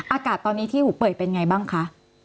อากาศตอนนี้ที่หูเป่ยเป็นไงบ้างคะ